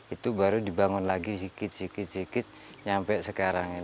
itu baru dibangun lagi sedikit sedikit sampai sekarang ini